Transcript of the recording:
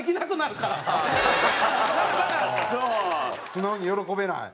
素直に喜べない？